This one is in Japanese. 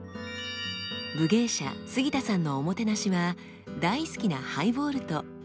武芸者杉田さんのおもてなしは大好きなハイボールと得意のまかない料理です。